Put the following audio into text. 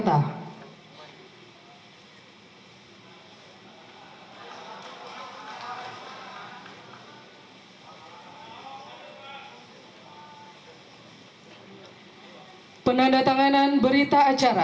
hai penandatanganan berita acara